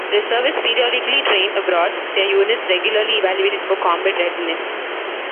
Reservists periodically train abroad, their units regularly evaluated for combat readiness.